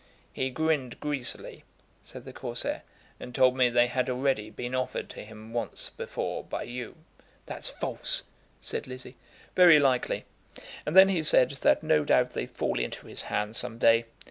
"He grinned greasily," said the Corsair, "and told me they had already been offered to him once before by you." "That's false," said Lizzie. "Very likely. And then he said that no doubt they'd fall into his hands some day.